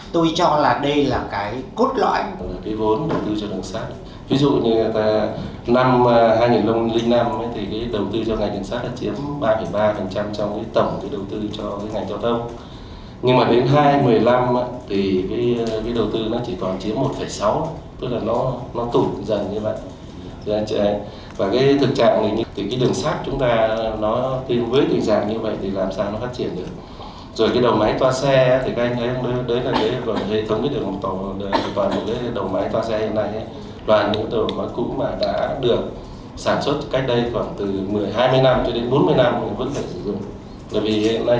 tôi cho là đây là cái cốt loại